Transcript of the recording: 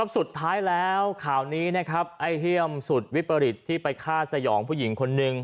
สุดท้ายแล้วข่าวนี้นะครับไอ้เฮี่ยมสุดวิปริตที่ไปฆ่าสยองผู้หญิงคนนึง